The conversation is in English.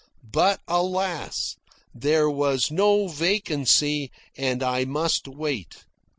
But alas! there was no vacancy, and I must wait.